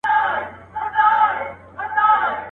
دوسته څو ځله مي ږغ کړه تا زه نه یم اورېدلی.